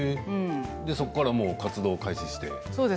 そこから活動を始めて。